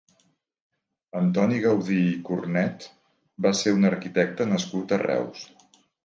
Antoni Gaudí i Cornet va ser un arquitecte nascut a Reus.